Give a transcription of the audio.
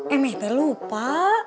eme teh lupa